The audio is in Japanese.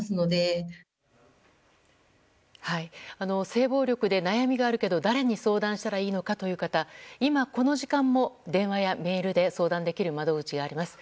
性暴力で悩みがあるけど誰に相談したらいいのかという方今、この時間も電話やメールで相談できる窓口があります。